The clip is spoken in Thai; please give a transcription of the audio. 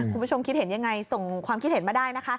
คุณผู้ชมคิดเห็นยังไงส่งความคิดเห็นมาได้นะคะ